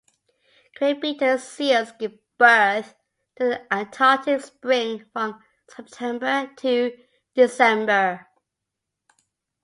Crabeater seals give birth during the Antarctic spring from September to December.